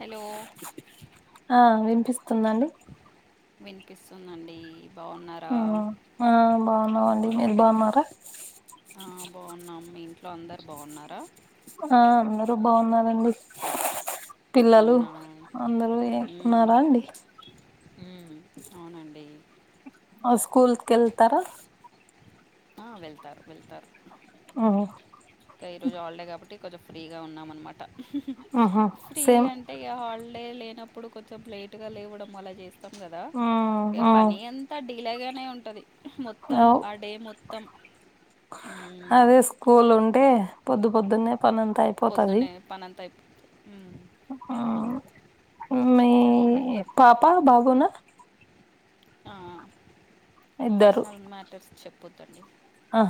Hello ఆ వినిపిస్తుందా అండి వినిపిస్తుందండి బాగున్నారా ఆ ఆ బాగున్నావండి మీరు బాగున్నారా ఆ బాగున్నాం మీ ఇంట్లో అందరు బాగున్నారా ఆ అందరూ బాగున్నారు అండి పిల్లలు అవునా అందరూ ఏకున్నారా అండి ఉమ్ అవునండి ఆ స్కూల్ కి వెళ్తారా ఆ వెళ్తారు వెళ్తారు ఆ ఇంకా ఈ రోజు హాలిడే కాబట్టి కొంచెం ఫ్రీగా ఉన్నము అన్నమాట ఆహా సేమ్ అంటే ఇక హాలిడే లేనప్పుడు కొంచెం లేట్ గా లేవడం అలా చే స్తం కదా ఉమ్, ఇక ఉమ్, పని అంతా డిలేగానే ఉంటది మొత్తము అవ్. ఆ డే మొత్తం మ్మ్ అదే స్కూల్ ఉంటే పొద్దు పొద్దున్నే పనంత అయి పొద్దున్నే పనంత అయి హ్మ్ మీ ఇం పాప బాబు నా ఆ ఇద్దరు పర్సనల్ మ్యాటర్స్ చెప్పొదండి ఆ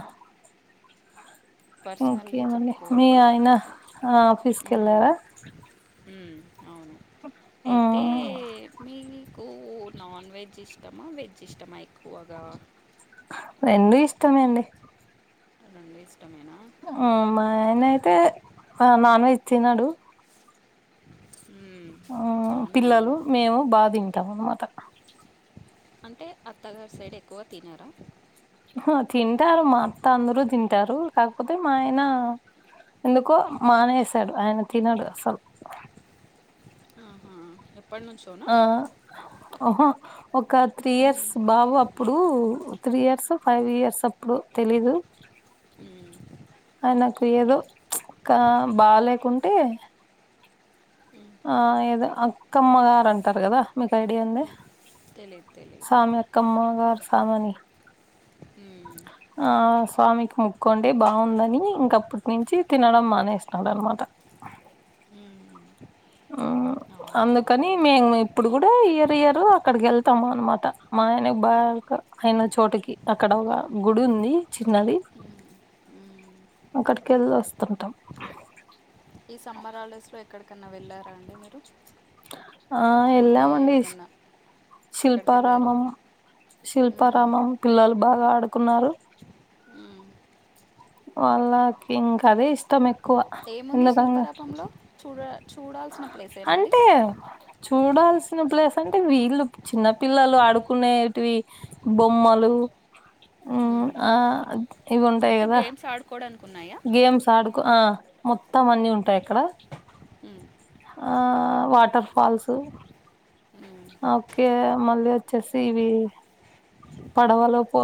పర్సనల్ వి ఇంకేమండి మీ చెప్పుకోకూడదు ఆయన ఆఫీస్కి ఉమ్ వెళ్ళారా ఉ అవును అయితే ఉమ్, మీవి మీకు నాన్ వెజ్ ఇష్టమా వెజ్ ఇష్టమా ఎక్కువగా రెండు ఇష్టమే అండి రెండు ఇష్టమేనా ఆ మ్మ్. మా ఆయన అయితే నాన్ వెజ్ తినడు ఊ ఆ పిల్లలు మేము బా తింటాం అన్మాట అంటే అత్తగారి సైడ్ ఎక్కువ తినరా అహ తింటారు మా అత్త అందరూ తింటారు కాకపోతే మా ఆయన ఎందుకో మానేసాడు ఆయన తినడు అసలు అహ ఆ అహా ఒక త్రీ ఇయర్స్ మ్మ్. బాబు అప్పుడు త్రీ ఇయర్స్ ఫైవ్ ఇయర్స్ అప్పుడు తెలీదు ఊ ఆయనకు ఏదో క బాలేకుంటే మ్మ్. ఆ ఏదో అక్కమ్మ గారు అంటారు కదా మీకు ఐడియా ఉంది తెలీదు తెలీదు అక్కమ్మ గారు సామని ఊ ఆ స్వామికి ముక్కోండి బాగుందని ఇంకప్పటి నుంచి తినడం మానేసినాడు అన్మాట మ్మ్. ఆ అందుకని అవునా మేము ఇప్పుడు కూడా ఇయర్ ఇయరు అక్కడికి వెళ్తాము అన్మాట మా ఆయనకు బాగా అయిన చోటకి అక్కడ ఒక గుడి ఉంది చిన్నది మ్మ్. మ్మ్. అక్కడికి వెళ్ళి వస్తుంటాం ఈ సమ్మర్ హాలిడేస్ లో ఎక్కడికన్నా వెళ్ళారా అండి మీరు ఆ అంటే ఏళ్ళమండి అండి ఏమన్నా ఎక్కడికి వెళ్ళారు శిల్పారామం మ్మ్. శిల్పారామం పిల్లలు బాగా ఆడుకున్నారు మ్మ్. వాళ్ళకి ఇంకా అదే ఇష్టం ఎక్ ఏముంది శిల్పారాపంలో చూడ చూడాల్సిన ప్లేసేనా అది అ చూడాల్సిన ప్లేస్ అంటే వీళ్ళు చిన్న పిల్లలు ఆడుకునేటివి బొమ్మలు ఊ మ్మ్. ఆ అంటే గేమ్స్ ఆడుకోవడానికికున్నాయా గేమ్స ఆడుకో ఆ మొత్తం అన్ని ఉంటాయక్కడ ఉ ఆ వాటర్ ఫాల్సు ఓకే మళ్ళీ వచ్చేసి ఇవి పడవలో పో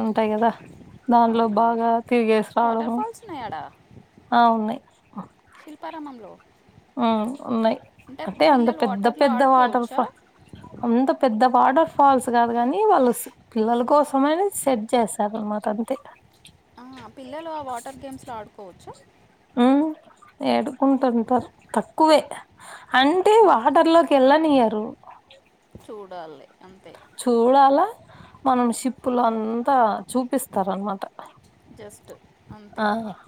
ఉంటాయి కదా దాంట్లో బాగా తిరిగేసి రావడము ఉన్నయడ ఆ ఉన్నయ్ శిల్పారామంలో ఉ ఉన్నాయి అంటే అంత పిల్లలు పెద్ద వాటర్లో పెద్ద వాటర్ ఆడుకోవచ్చా ఫాల్ అంత పెద్ద వాటర్ ఫాల్స్ కాదు కాని వాళ్ళ పిల్లల కోసమని సెట్ చేస్తారనమాట అంతే ఆ పిల్లలు ఆ వాటర్ గేమ్స్ లో ఆడుకోవచ్చు హ్మ్ యడుకుంటుంటారు తక్కువే అంటే మ్మ్. వాటర్ లో వెళ్ళానియరు చూడాలి అంతే చూడాల మనం షీప్పులు మ్మ్. అంతా చూపిస్తార్ అనమాట జస్ట్ అంతే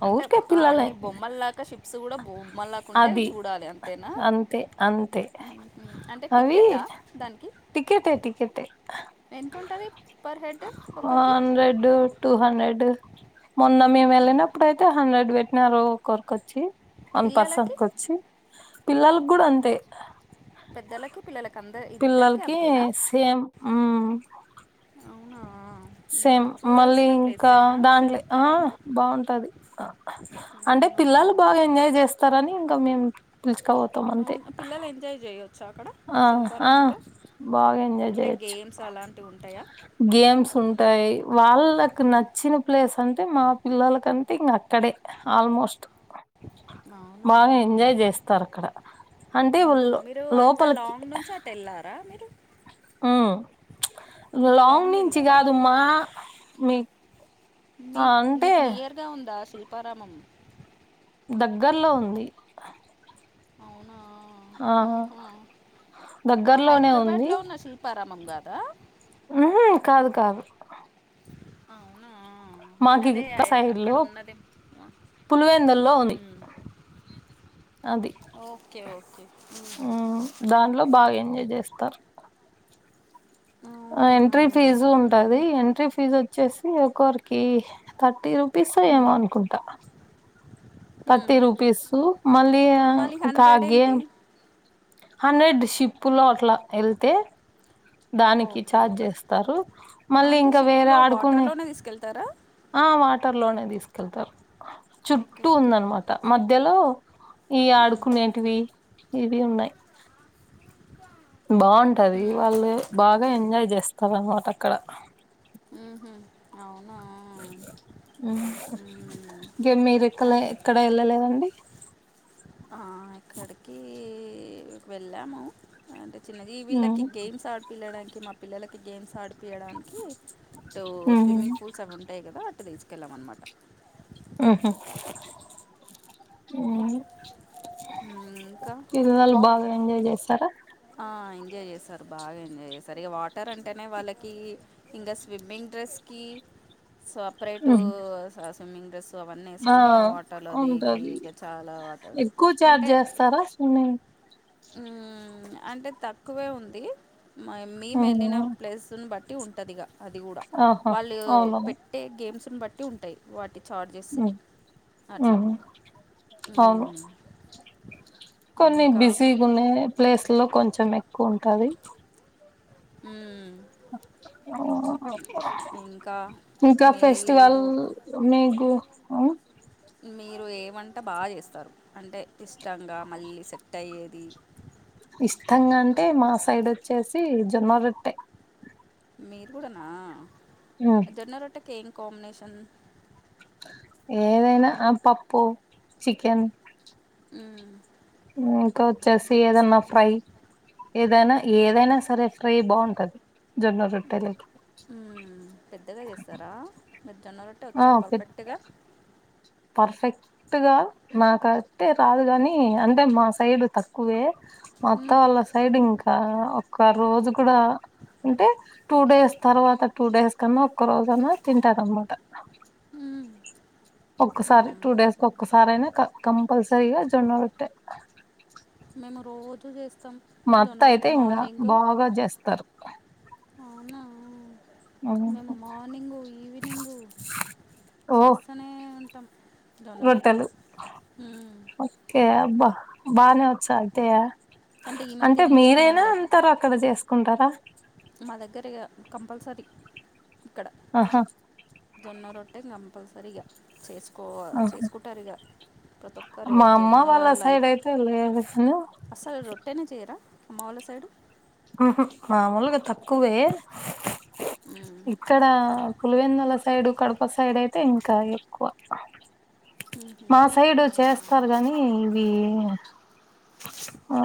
అంటే ఊరికే పిల్లలే అన్ని బొమ్మల్లాకా షిప్స్ కూడా బొమ్మల్లాకు ఉంటే అవి అది చూడాలి అంతేనా అంతే అంతే మ్మ్. అంటే అవి టికెటా దానికి టికెటే టికెటే ఎంత ఉంటది ఫర్ హెడ్ ఒకరికి హండ్రెడ్ టూ హండ్రెడ్ మొన్న మేము ఆ, వెళ్ళినప్పుడు అయితే హండ్రెడ్ పెట్టినారు ఒకరికొచ్చి వన్ పర్సన్ పిల్లలకి కొచ్చి పిల్లలకి కూడా అంతే పెద్దలకి పిల్లలకి అంద ఇద్దరికి పిల్లలకి అంతేనా సేమ్ మ్మ్ అవునా సేమ్ మ్మ్. మళ్ళీ చూడాల్సిన ఇంకా ప్లేసేనా దాంట్లే ఆ శిల్పారామం బాగుంటది అంటే అవునా పిల్లలు బాగా ఎంజాయ్ చేస్తారని ఇంకా మేం పిలుచకపోతాం అంతే ఫుల్ ఎంజాయ్ చేయొచ్చు అక్కడ ఆ ఆహ శిల్పారామంలో బాగా ఎంజాయ్ అంటే చెయొచ్చు గేమ్స్ అలాంటివి ఉంటాయా గేమ్స్ ఉంటాయి వాళ్ళకు నచ్చి మ్మ్. ఇచ్చిన ప్లేస్ అంటే మా పిల్లలకంటే ఇంక అక్కడే ఆల్మోస్ట్ బాగా ఎంజాయ్ అవునా చేస్తారు అక్కడ అంటేళ్ళ ఊహూ. మీరు లోప అంత లాంగ్ నుంచి అటు వెళ్ళారా మీరు ఉహ్ ప్చ్ అంత లాంగ్ నుంచి వెళ్ళారా కాదు మా మీ మీక్ అంటే మీకు నియర్గా ఉందా శిల్పారామం దగ్గర్లో ఉంది అవునా ఆ ఆహా. దగ్గర్లోనే ఉంది శిల్పా్రామం కాద ఊ కాదు కాదు ఆవునా నేను మాకు అదే సైడ్ అక్కడ లో ఉన్నదేమో పులివెందుల్లో ఉంది ఉహ్ అది ఓకే ఓకే మ్మ్ హు దాన్ట్లో బాగా ఎంజాయ్ చేస్తారు అవునా ఎంట్రీ ఫీజు ఉంటది ఊహూ. ఎంట్రీ ఫీజు వచ్చేసి ఒకరికి థర్టీ రూపీస్ ఉమ్. ఏమో అనుకుంటా థర్టీ ఉమ్. రుపీస్ మళ్ళీ మళ్ళీ ఒక హండ్రెడ్ ఏంటి గేమ్ హండ్రెడ్ షిప్పు లో అట్లా వెళ్తే దానికి ఓకే ఛార్జ్ చేస్తారు మళ్ళీ అంటే ఇంకా వేరే షిప్లో ఆడుకునే వాటర్లోనే తీసుకెళ్తారా ఆ వాటర్ లోనే తీసుకెళ్తారు ఓకే చుట్టూ ఓకే ఉందనమాట మధ్యలో ఈ ఉమ్, ఆడుకునేటివి ఇవి ఉన్నాయ్ ఇకా బాగుంటది వాళ్ళు బాగా ఎంజాయ్ చేస్తారు అనమాట అక్కడ ఉహ అవును ఇంకే మీరు ఎక్క అయి- ఎక్కడ వెళ్ళలేదండి ఆ ఇక్కడికి వెళ్ళాము అంటే చిన్నది వీళ్ళకి గేమ్స్ ఆడిపిల్లడానికి మా పిల్లకి గేమ్స్ ఆడిపి పీయడానికి టటు స్విమ్మింగ్ పూల్స్ అవి ఉంటాయి కదా అటు తీసుకెళ్ళామ అన్నమాట ఉహు ఆ ఉమ్మ్ ఇంకా పిల్లలు బాగా ఎంజాయ్ చేస్తారు ఆ ఎంజాయ్ చేస్తారు బాగా ఎంజాయ్ చేస్తారు ఇక వాటర్ అంటేనే వాళ్ళకి ఇంకా స్విమ్మింగ్ డ్రెస్ కి సపరేట్ స్విమ్మింగ్ డ్రెస్ సో అవన్నీ ఆ వేసుకొని ఇక వాటర్లో దిగి ఉంటది ఇక చాలా వాటర్ అంటే సరా స్విమింగ్ అంటే తక్కువే ఉంది మేము వెళ్ళిన స్విమ్మింగ్ ప్లేస్ని బట్టి బట్టి ఉంటుందిగా అది కూడా ఆహా వాళ్ళు అవునవును పెట్టే గేమ్స్ని బట్టి ఉంటాయి వాటి ఛార్జెస్ హ్మ్ అట్లా హ్మ్ అవును ఉమ్ కొన్ని బిజీ ఉనే ప్లేస్ లో కొంచెం ఎక్కువ ఉంటది ఉమ్ ఆహ్, ఇంకా ఇంకా ఫెస్టివల్ మీరు మీకు మీరు ఏ వంట బాగా చేస్తారు అంటే ఇష్టంగా మళ్ళీ సెట్ అయ్యేది ఇష్టంగా అంటే మా సైడ్ వచ్చేసి జొన్నరొట్టా మీరు కూడానా హ్మ్ జొన్న రొట్ట కేం కాంబినేషన్ ఏదైనా ఆ పప్పు చికెన్ ఆ ఇంకా వచ్చేసి ఏదన్నా ఫ్రై ఏదైనా ఏదైనా సరే ఫ్రై బాగుంటది జొన్న రొట్టెల పెద్దగా చేస్తారా మీరు జొన్నరట్టే ఆ వచ్చా పెద్ద పర్ఫెక్ట్గా పర్ఫెక్ట్ గా నాకయితే రాదు కాని అంటే మా సైడ్ తక్కువ వేమా అత్త మ్మ్. వాళ్ళ సైడ్ ఇంకా ఒక్క రోజు కూడా అంటే టూ డేస్ తర్వాత టూ డేస్ అన్నా ఒక్క రోజన తింటారు కమ్మాట ఉమ్ ఒక్కసారి టూ డేస్ క ఒక్కసారి అయినా కంపల్సరీగా జొన్న రోటే మేము రోజు చేస్తాం మ ఆత్త జొన్న అయితే రొట్టె ఇంకా మార్నింగ్ బాగా చేస్తారు అవునా మేము మార్నింగ ఈవినింగు చేస్తనే ఉంటాం జొన్న రోట్టలు రొట్టె మ్మ్. ఓకే బా బానే వచ్చా అంతయా ఈ మధ్య అంటే మీరైనా నేర్చుకున్నానులే అంటారు అక్కడ చేసుకుంటారా మా దగ్గర ఇగా కంపల్సరీ ఇక్కడ ఆహా జోన్న రొట్టే కంపల్సరీగా చేసుకో ఆహా చేసుకుంటారు ఇగా ప్రత ఒక్క మా అమ్మ రేజొన్న వాళ్ళ సైడ్ లైఫ్ అయితే లేదు కాని అసలు రొట్టెనే చేయరా అమ్మ వాళ్ళ సైడు ఆహా మామూలుగా తక్కువే మ్మ్. ఇక్కడ పులివెందల సైడు కడప సైడ్ అయితే ఇంకా ఎక్కువ మ్మ్హ. మా సైడు అవునా చేస్తారు కానీ ఇవి మ్మ్. ఆ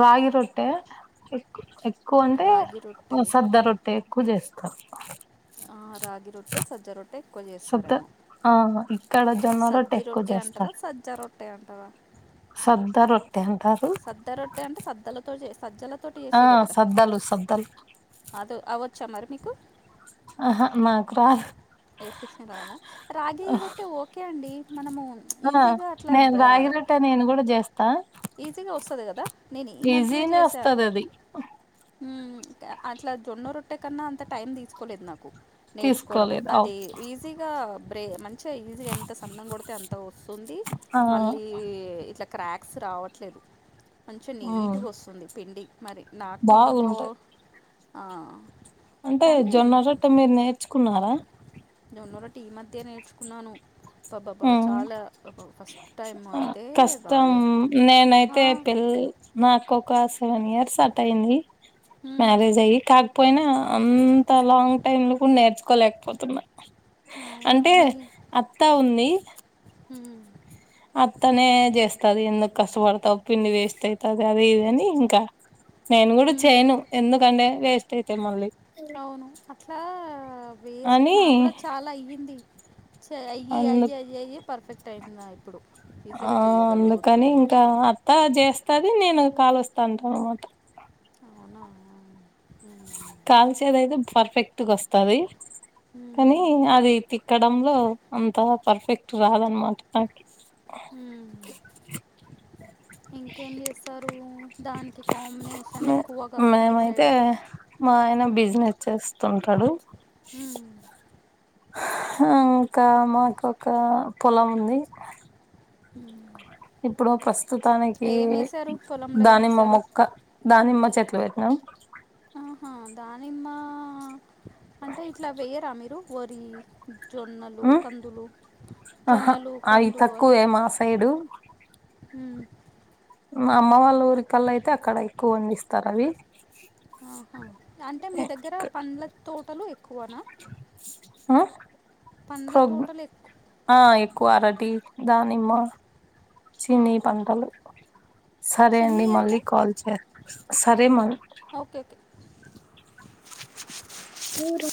రాగి రొట్టె ఎక్కు ఎక్కువ అంటే రాగి రొట్టె సద్ద రొట్టె ఎక్కువ చేస్తారు ఆ రాగి రొట్టె సజ్జ రొట్టె ఎక్కువ చేస్తారేమో ఆహా ఇక్కడ జొన్న రొట్టె ఎక్కువ చేస్తారు చ రొట్టే ఉంటద సబ్ద రొట్టె అంతారు త్త రొట్టె అంటే సజ్జలతోటి సజ్జలతోటి ఆ చేసేదే కదా సద్దలు సద్దలు అదు అవచ్చా మరి మీకు ఆహా నాకు రాదు ఎ రానా రాగి రొట్ట ఓ ఓకే అండి మనము ఈజీగా అట్లా ఆ క నేను కూడా జెస్ ఆ ఈజీగా వస్తది కదా నేను ఈ మధ్య చేసా వస్తది అది మ్మ్ అట్ల జొన్న రొట్టె కన్నా అంత టైం తీసుకోలేదు నాకు నేర్చుకోవడం తీసుకోలేదు అవు అది ఈజీగా బ్రే మంచి చే ఈజీగా ఎంత సన్నంగ కొడితే అంత వస్తుంది ఆ మళ్ళీ ఇట్ల క్రాక్ క్స్ రావట్లేదు మంచిం ఉమ్ నీటిగా వస్తుంది పిండి మరి నా పిండి బా బాగుంటాయి ఆ అంటే కానీ జొన్న రొట్టె మీరు నేర్చుకున్నారా జొన్న రొట్టె ఈ మధ్య నేర్చుకున్నాను పాబాబా ఉమ్ చాలా ఫస్ట్ టైం ఆ అయితే కష్టం బానే నేనైతే పెళ్ళి నాకు ఒక సెవెన్ ఇయర్స్ అట్ అయింది మ్మ్, మ్యారేజ్ అయి క పోయినా అంత లాంగ్ టైమ్ లో కూడా నేర్చుకోలేకపోతున్నా అవునా అంటే నీ అత్తా ఉంది మ్మ్ అత్తనే చేస్తది ఎందుకు కష్టపడతావు పిండి వేస్ట్ అయితది అదే ఇదని ఇంకా నేను కూడా మ్మ్, చేయను ఎందుకంటే వేస్ట్ అయితే మళ్ళీ అవును అట్లా వేస్ట్ అని నా కూడా చాలా అయ్యింది చె అయ్యి అందుకు అయి అయ అయి పర్ఫెక్ట్ అయితున్న ఇప్పుడు ఈజీగా చేయగలుగుతున్నా అ చేస్తది నేను కాలుస్తాంట అన్నమాట అవునవును మ్మ్ కాల్చేది అయితే పర్ఫెక్ట్గా వస్తాది కానీ మ్మ్, అది తిక్కడంలో అంత పర్ఫెక్ట్ రాదనమాట నాకి మ్మ్ ఇంకేం చేస్తారు దానికి కాంబినేషన్ ఎక్కువగా మీ మేమైతే సైడ్ మా ఆయన బిజినెస్ చేస్తుంటాడు మ్మ్, ఆ ఇంకా మాకు ఒక పొలం ఉంది మ్మ్ ఇప్పుడు ప్రస్తుతానికి ఏమేశారు పొలంలో దానిమ్మ ఏమేశారు? మొక్క దానిమ్మ చెట్లు పెట్నాం ఆహా దానిమ్మ అంటే ఇట్ల వేయరా మీరు వరి జొన్నలు ఉమ్ కందులు ఆహా జొన్నలు అవి కందులు అలా తక్కువే మా సైడు ఉమ్ మా అమ్మ వాళ్ళ ఊరికల్లా అయితే అక్కడ ఎక్కువ పండిస్తారు అవి ఆహా అంటే మీ దగ్గర పండ్ల తోటలు ఎక్కువనా ఆ పండ్ల ప్రోగ్ తోటలు ఎక్కు ఆ ఎక్కువ అరటి దానిమ్మ చిని ఆహా! పంటలు సరే అండి చినియి మళ్ళీ అంటే? కాల్ చేస్ సరే మరి ఓకే ఓకే నూరు